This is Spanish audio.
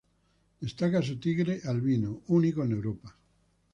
Destaca su tigre albino, único en Europa.